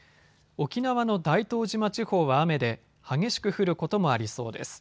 沖縄の大東島地方は雨で激しく降ることもありそうです。